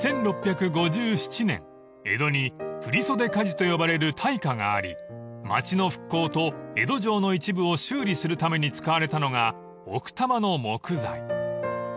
［１６５７年江戸に振袖火事と呼ばれる大火があり町の復興と江戸城の一部を修理するために使われたのが奥多摩の木材］